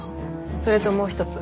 それともう一つ。